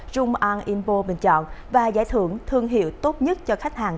room on invo bình chọn và giải thưởng thương hiệu tốt nhất cho khách hàng